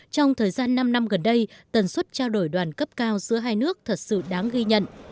trong thời gian năm năm gần đây tần suất trao đổi đoàn cấp cao giữa hai nước thật sự đáng ghi nhận